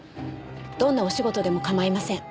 どんなお仕事でも構いません。